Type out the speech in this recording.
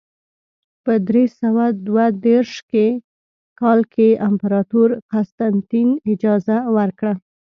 په درې سوه دوه دېرش کال کې امپراتور قسطنطین اجازه ورکړه.